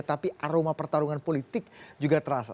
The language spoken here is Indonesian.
tapi aroma pertarungan politik juga terasa